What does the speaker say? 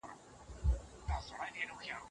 ټولنيز بدلونونه د تاريخ په فلسفه کي لوستل کيږي.